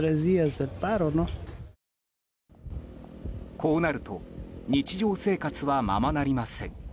こうなると日常生活はままなりません。